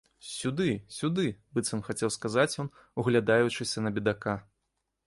Сюды, сюды, быццам хацеў сказаць ён, углядаючыся на бедака.